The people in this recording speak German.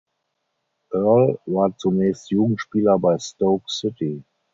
Earle war zunächst Jugendspieler bei Stoke City.